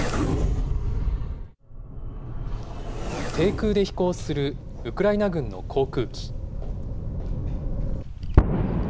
低空で飛行するウクライナ軍の航空機。